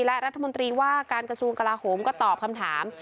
และรัฐมนตรีว่าการกระทรวงกลาโหมก็ตอบคำถาม